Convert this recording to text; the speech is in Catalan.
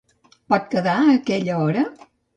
Pot quedar a aquella hora?